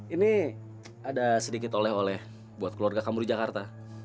ini ada sedikit oleh oleh buat keluarga kamu di jakarta